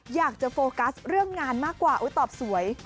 อยากจะโฟกัสเรื่องงานมากกว่าตอบสวย